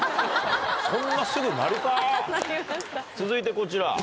続いてこちら。